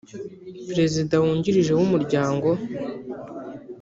perezida wungirije w umuryango